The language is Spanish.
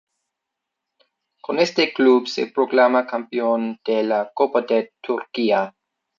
Con este club se proclama campeón de la Copa de Turquía.